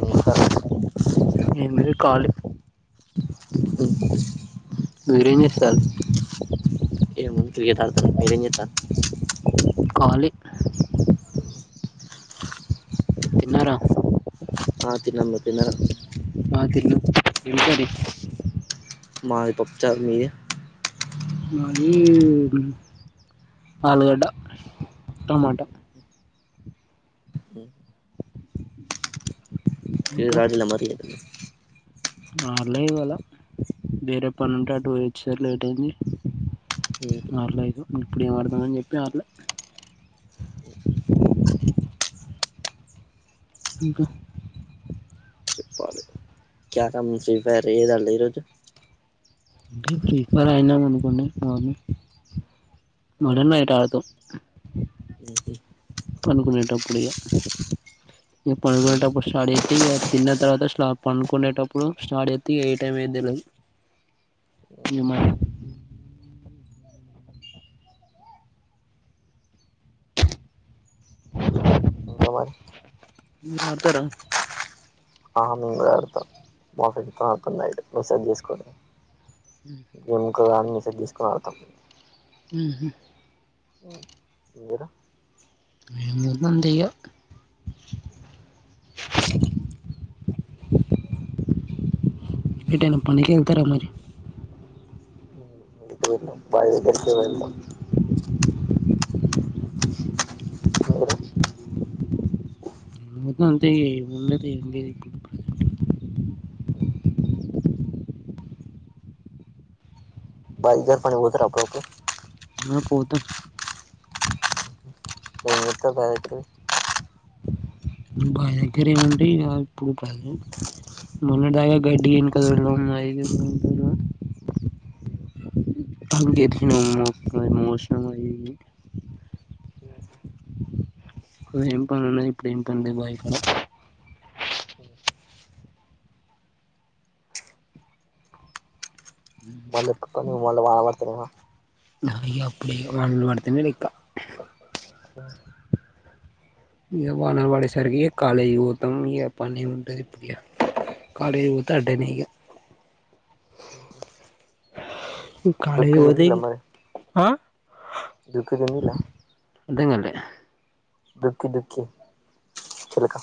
ఇంకా కాలు ఉ మీరేం చేస్తారు ఏముంది క్రికెట్ ఆడుతున్న మీరేం చేస్తున్నారు ఖాళీ తిన్నారా ఆ తిన్నాను మీరు తిన్నారా ఆ తిన్న ఏం కర్రీ మాది పప్పుచారు మీది మాది ఆలుగడ్డ టమాటా క్రికెట్ ఆడాల మరి ఆడాలే ఇవాళ వేరే పని ఉంటే అటు పోయి వచ్చేసరికి లేట్ అయింది ఆడలే ఏం ఆడత అని చెప్పి ఆడలే ఇ ఇంకా కేమమీ ఫ్రీ ఫైర్ లేదండి ఈరోజు ఈ ప్రిఫర్ అయినాం అనుకోనే పోనీ ముడునయ్ రాదు పనుగునేటప్పుడే ఇ పనుకునేటప్పుడు స్టార్ట్ చెత్తే ఇగ తిన్న తర్వాత స్టాప్ పనుకునేటప్పుడు స్టార్ట్ చెత్తే ఏ టైం ఎద్ తెల్వదు ఇగ ఓకే మరి ఇంకా మరి మీరు అడతార అహ మేము కూడ ఆడతాం మా ఫ్రెండ్స్ తోటి ఆడతాం నైటు మెసేజ్ చేసుకొని గేముకు గాని మెసేజ్ చేస్కొని ఆడతాం ఉహు మీరు మేము కుడా అంతే ఇగ ఎటైనా పని కెళ్తారా మరి పైరుగట్టుకి వెళ్తాం మీరు మొత్తమంత ఈ మున్నది ఆ బజజన చేస్తానికి పోతారా అప్పుడప్పుడు అ పోత ఎన్నతే బదికి బావి దగ్గర ఏమంటయ్ ఇక ఇప్పు మన్నటి దాక గడ్డి ఎనక తొలడం అవి అ అంగ ఎతికినం మోసినం అయ అ ఎం పని ఉన్నది ఇప్పుడు ఎం పని లేదు బాయి కాడ వాళ్ళు ఎక్కుకొని వాలు వనపడతార అవి అప్పుడే వానలు వడుతునే లెక్క ఓహ ఇగ వానలు వడే సరికి కాలేజ్ కి పోతాం ఇగ పనేం ఉంటది ఇప్పుడు ఇగ కాలేజ్ పోతే అడ్డేనిగ దుక్కి కాలేజికి పోతే ఇంక్ డుక్కీరిమీలా అదంగాలే దుక్కి దుక్కి చిలక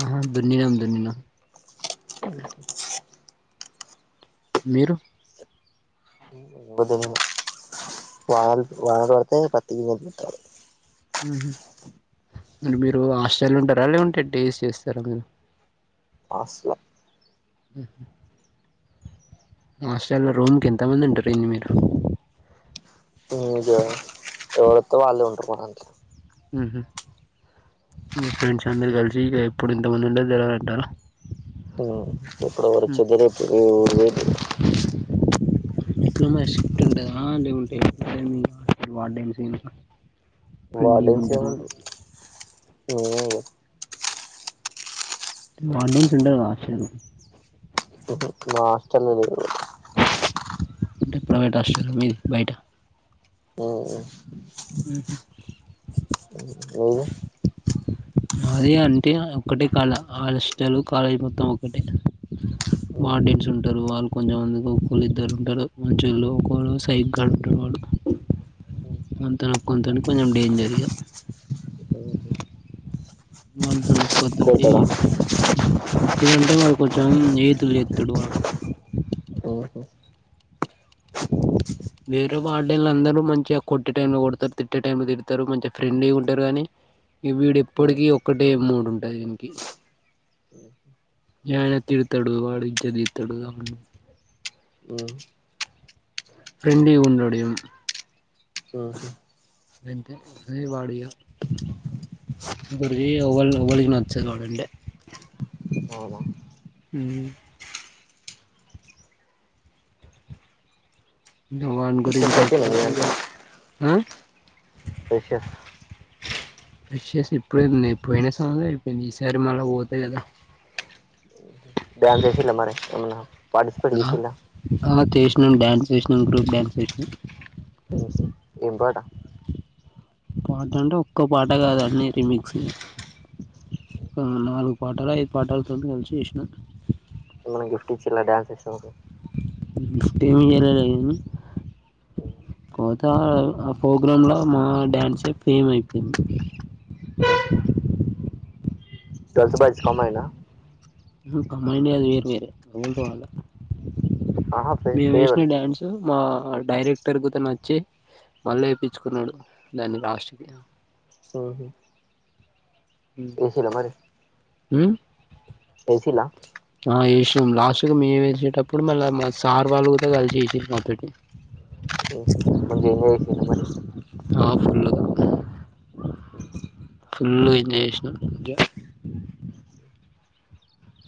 ఆహా దున్నినామ్ దున్నినా స మీరు వానల్ వానలు వడతే పత్తి గింజలు పెట్టాలే అంటే మీరు హాస్టల్ ఉంటారా లేవుంటే డేస్ చేస్తారా మీరు ఆస్లా ఉ మాస్టల్ రూమ్ కి ఎంత మంది ఉంటారు ఏంది మీరు ఎవరొత్తే వాళ్ళే ఉంటారు మా ఉహు మీ ఫ్రెండ్స్ అందరు కలిసి ఇగ ఎప్పుడు ఇంతమంది ఉండే దరాలంటరా ఇప్పుడ వకరుచిదరిపు ఊ వది ఇంట్లో మరి షిఫ్ట్ ఉండదా అంటే ఉంటె వార్డెన్సు వార్డెన్స్ ఏముంటై ఏం ఇగ వార్డెన్స్ ఉండర మా హాస్టలో ఉండరు అంటే ప్రైవేట్ హాస్టల మీది బయట ఉమ్ ఉహ్మ్ మీది మాది అంతే ఒకటే కాడా హస్టలు కాలేజీ మొత్తం ఒకటే ఆడియన్ట్స్ ఉంటారు వాళ్ళు కొంచెంమందికి ఒకక్కోళ్ళు ఇద్దరు ఉంటారు మంచోలు ఒకరు సైకో గాలు ఉంటారు వాళ్ళు కొంత కొంతను కొంచెం డేంజరిగ మంటున కొత్తది కొడతాడా కొటుడుంటే వాడు కొంచెం చేతులు ఎతుడు వాడు వేరే వార్డెన్లు అందరూ మంచిగా కొట్టే టైంలో కొడతారు తిట్టే టైంలో తిడతారు మంచిగా ఫ్రెండ్లీ ఉంటారు గానీ వీడు ఎప్పటికి ఒక్కటే మూడు ఉంటాది వినికి యానె తిడతాడు వాడి ఇజాద్ తీస్తాడు ఫ్రెండ్లీ వుండడిగా అంతే వాడిగా ఎవల్ ఎవల్ నచరు వాళ్ళకి అవునా ఉమ్ వాని ఫ్రెషర్స్ గురించి అయిపోయిల్లా అయిపోయిందా ఇగ మీరంతా ఆ రేషన్ బ్రష్ చేశా ఇప్పుడే మళ్ళీ పోయినసారి ఐపోయినా మల్ల ఈ సారి పోతాయి కదా డాన్స్ చేసింద్ర మరి పార్టిసిపేట్ చేసిల్లా ఆ చేసినాం డ్యాన్స్ చేసినాం గ్రూప్ డ్యాన్స్ చేసినాం అవునా పాట అంటే ఒక్క పాట కాద అన్ని రిమిక్స్ ఒక నాలుగు పాటలు ఐదు పాటాలతో కలిసి చేసినా మల్ల గిఫ్ ఇచ్చినరా డాన్స్ చేశావ్ గిఫ్ట్ ఏం ఇయాలే కోత ఆ ప్రోగ్రామ్ లో మన డ్యాన్సే ఫేమ్ అయిపోయింది ఆఓహ [inaudible] ఒక మైనార్న్ ఆహా [unintelligible] మేము వేసిన ఫేర్వెల్ డ్యాన్సు మా డైరెక్టర్ గుత నచ్చి మళ్ళ వేయిపించుకునడు నేను లాస్ట్ ఉహు ఏసిలా మరి ఉమ్ ఏసిలా ఆ వేస్ లాస్ట్గా మేము వేసేటప్పుడు మళ్ళీ సార్ వాళ్ళు కూడా కలిసి వేసిరు మాతోటి మంచిగానే వేసిన్ర మరి ఆ ఫుల్గా ఉ మంచిగా వేసినం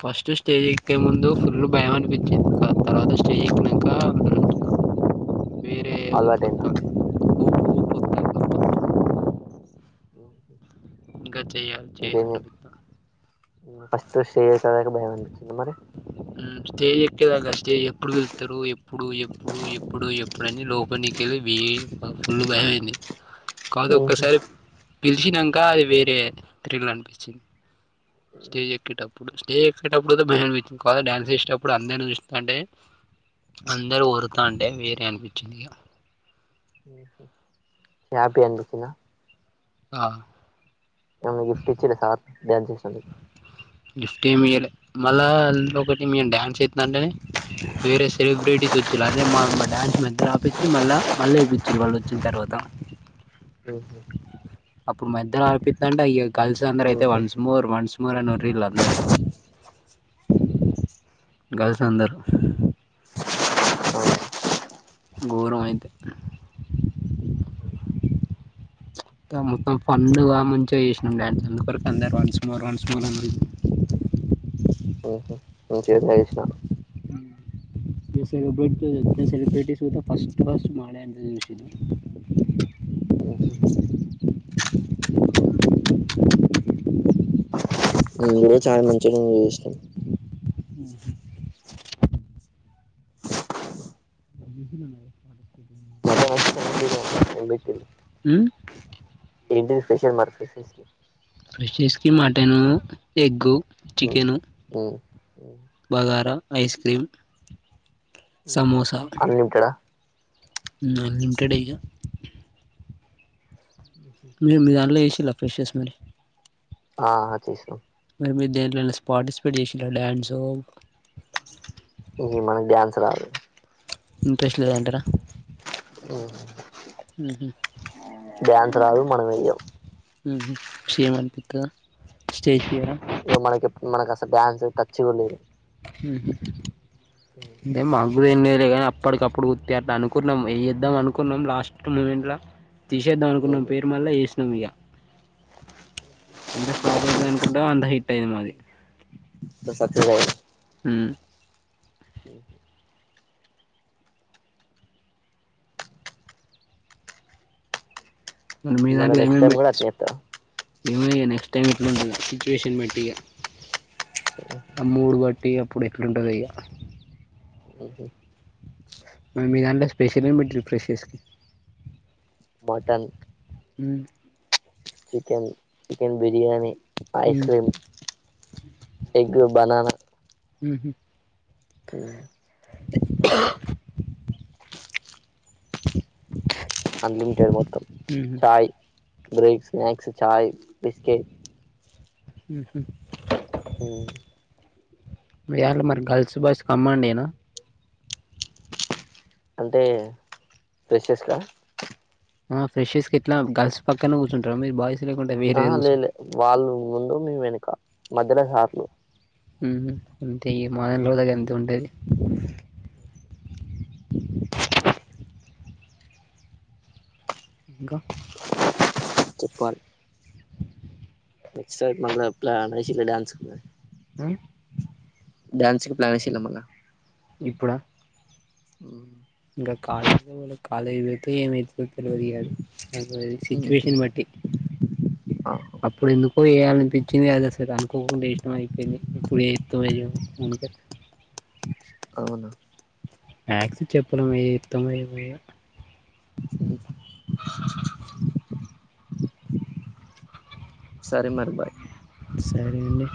ఫస్ట్ స్టేజ్ ఎక్కే ముందు ఫుల్ భయం అనిపించింది తర్వాత స్టేజ్ ఎక్కినాక వేరే ఊపు అలవాటయిందా వత్తాంది ఊపు ఊపు వత్తాంది ఉ ఇంకా చేయాలి చేయాలి అనిపితాం ఫస్ట్ స్టేజ్ ఎక్కినాక భయం అనిపించింది మరి స్టేజ్ ఎక్కేదాకా స్టేజ్ ఎప్పుడు వెళ్తారు ఎప్పుడు ఎప్పుడు ఎప్పుడు ఎప్పుడుని లోపలి వి ఫుల్ భయమైంది కాదు ఉహు ఒక్కసారి గెలిచినాక అది వేరే థ్రిల్ అనిపించింది స్టేజ్ ఉహు ఎక్కేటప్పుడు స్టేజికేటప్పుడైతే భయం అనిపించింది ఇంకా డ్యాన్స్ చేసేటప్పుడు అందరూ చూసి అంటే అందరూ ఒరేతంటే వేరే అనిపించింది ఇక హ్యాపీ అనిపించిందా ఆ ఏమన్నా గిఫ్ట్ ఇచ్చారా తర్వా డాన్స్ చేసినందుకు గిఫ్ట్ ఏమి ఇయాల్ మళ్ళా మీరు ఒకటి డ్యాన్స్ జెస్తంటే అంటే వేరే సెలిబ్రిటీస్ వచ్చలే అదే మా మా డ్యాన్స్ మధ్యలో ఆపచ్చి మళ్ళీ మళ్ళీ ఏపించిరు వాళ్ళు వచ్చిన తర్వాత ఉహు ఇప్పుడు మధ్యలో ఆ ఆపితంటే అ గర్ల్స్ అందరూ అయితే ఉహు వన్స్ మోర్ వన్స్ మోర్ వర్రీళ్లు అందరు గర్ల్స్ అందరు ఆవును గౌరవం అయితే ఆ మొత్తం పండూగా మంచిగా చేసినాం డాన్స్ అరకు అందరు వన్స్ మోర్ వన్స్ మోర్ ఉమ్ మంచిగా చేసినాను ఇ సెలిబ్రిట్ సెలిబ్ర్రిటీస్త ఫస్ట్ ఫస్ట్ మా డాన్స్ యే చూసిర్రు ఓహో మేమ్ కూడా చాలా మంచిగా చేసినం హు [unintelligible] ఏంటిది స్పెషల్ మరి ఫ్రెషస్ కి మటన్ ఎగ్గు ఉ ఉమ్ bagara ice cream samosa unlimited unlimited ఇక మీరు మీ దాంట్లో చేసిర్రా ఫ్రెషస్ కి ఆ చేసి అంటే మీరు దేనిట్లో అయినా పార్టిసిపేట్ చేసిర్రా డ్యాన్స్ ఇ మనకి డాన్స్ రాదు ఇంట్రెస్ట్ లేద అంటారా ఉమ్. డాన్స్ రాదు మనం వెయ్యము ఉమ్ షేమ్ అనిపింతాదా స్టేజ్ ఫియరా ఇ మనకిప్పు మనకు అసలు డ్యాన్స్ టచ్చ కూడా లేదు అంటే మా ఇప్పుడు ఏంలేదు కానీ అప్పటికప్పుడు ఊరికే అట్లా అనుకున్నాం ఏద్దాం అనుకున్నాం లాస్ట్ మూమెంట్లా. తీసేద్దాం అనుకున్నం పేరు మల్ల వేసినం ఇంకా. ఎంతా ఫ్లాప్ అయితది అనుకుంటే అంతా హిట్ అయింది మరి. స సత్య. ఉమ్. ఉమ్. మీ మళ్ళ దాంట్లో నెక్స్ట్ ఏమేం టైం కూడా పెట్టి. అట్నే చేస్తా ఏమో ఇగ నెక్స్ట్ టైం ఎట్లుంటదో సిచువేషన్ బట్టిగా ఆ మూడు బట్. టి అప్పుడు ఎట్లుంటదో ఇక. ఉహూ. మరీ మీ దాంట్లో స్పెషల్ ఏంటి ఫ్రెషర్స్ కి. Mutton chicken chicken బిర్. Biryani ice మ్మ్ క్రీమ్ ఎగ్ బననా. ఉహూ. ఆహ్. ఆహ్. అన్లిమిటెడ్ మొత్తం మ్మ్హ్మ్ చాయ్. బ్రేక్స్ స్నాక్స్ చాయ్ బిస్కెట్. ఉహూ. ఉమ్. ఈయాల మరి గర్ల్స్ బాయ్స్ కంబైన్డేనా. అంటే ఫ్రెషర్స్ కా. ఆహ్ ఫ్రెషెస్ కిట్లా గర్ల్స్ పక్కన కూర్చుంటార మీరు బాయ్స్. లేకుంటే వేరు వేరు ఆహ్ కూర్చుంటారా లేలే వాళ్ళు ముందు మేం వెనుక మధ్యలో సార్లు. ఉమ్ అంతే ఇగ మా దగ్గర కూడా అంతే ఉంటది. ఇంకా. చెప్పాలి. ఈ సారి మనలా ప్లాన్ ఆహ్ చిన్న డ్యాన్స్ ఉన్నది. ఆహ్. డ్యాన్స్ కి ప్లాన్ వేసింరా మల్లా. ఇప్పుడా. ఉమ్. కాలేజ్ కే పోళే కాలేజ్ పోతే ఏమైత్. తెలియదిగా ఆహ్ సిచువేషన్ బట్టి. ఆహ్. అప్పుడు ఎందుకో చేయాలనిపించింది అది అసలు అనుకోకుండా ఇష్టం అయిపోయింది ఇప్పుడు ఎక్కువయ్యాం. అందుకే. అవునా. మ్యాథ్స్ చెప్పడం ఇత్తము ఇవేగా. ఆహ్. సరే మరి బాయ్. సరే అండి.